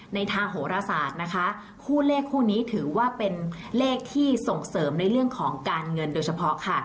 ในทางโหรศาสตร์นะคะคู่เลขคู่นี้ถือว่าเป็นเลขที่ส่งเสริมในเรื่องของการเงินโดยเฉพาะค่ะ